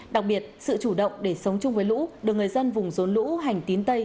đặc biệt sự chủ động để sống chung với lũ được người dân vùng rốn lũ hành tín tây